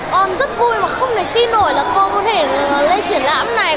con rất vui mà không thấy tin nổi là con có thể lấy triển lãm này